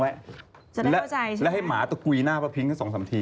จะได้เข้าใจใช่ไหมครับอุ๊ยจ้าแล้วให้หมาตกุยหน้าป้าพริ้งสองสามที